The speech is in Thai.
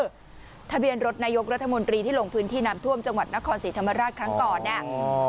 ทะเบียนรถนายกรัฐมนตรีที่ลงพื้นที่น้ำท่วมจังหวัดนครศรีธรรมราชครั้งก่อนเนี่ย